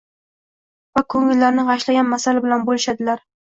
va ko‘ngillarini g‘ashlagan masala bilan bo‘lishadilar.